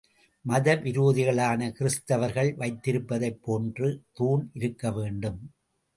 மத விரோதிகளான கிறிஸ்துவர்கள் வைத்திருப்பதைப் போன்ற தூண் இருக்க வேண்டும்.